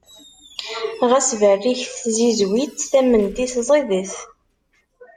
Ɣas berriket tzizwit, tament-is ẓidet.